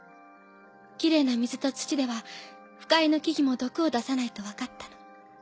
きれいな水と土では腐海の木々も毒を出さないと分かったの。